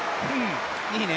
いいね。